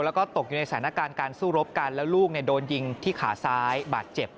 แล้วก็ตกอยู่ในสถานการณ์การสู้รบกันแล้วลูกโดนยิงที่ขาซ้ายบาดเจ็บ